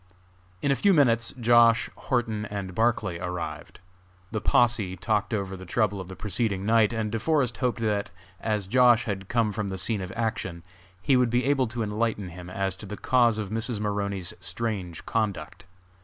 In a few minutes Josh., Horton and Barclay arrived. The posse talked over the trouble of the preceding night, and De Forest hoped that, as Josh. had come from the scene of action, he would be able to enlighten him as to the cause of Mrs. Maroney's strange conduct.